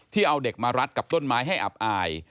เอาเด็กมารัดกับต้นไม้ให้อับอาย